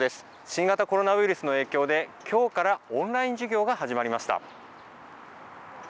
新型コロナウイルスの影響で今日からオンライン授業が始まりました。